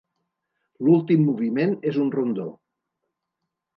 L'últim moviment és un rondó.